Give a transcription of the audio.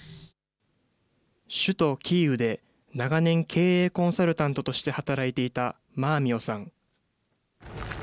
首都キーウで長年、経営コンサルタントとして働いていたマーミヨさん。